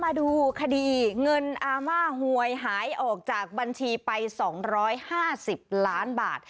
มาดูคดีเงินอาม่าหวยหายออกจากบัญชีไป๒๕๐ล้านบาท